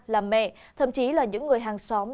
làm mẹ thậm chí là những người hàng xóm